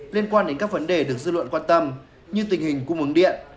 liên quan đến các vấn đề được dư luận quan tâm như tình hình cung ứng điện